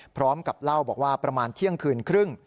พร้อมกับเล่าบอกว่าประมาณเที่ยงคืนครึ่ง